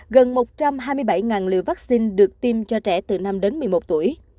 gần một trăm hai mươi bảy liều vaccine được tiêm cho trẻ từ năm đến một mươi một tuổi